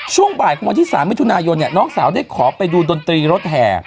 ช่วงบ่ายของวันที่๓มิถุนายนน้องสาวได้ขอไปดูดนตรีรถแห่